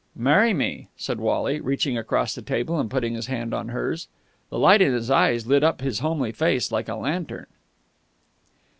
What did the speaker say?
"Marry me!" said Wally, reaching across the table and putting his hand on hers. The light in his eyes lit up his homely face like a lantern.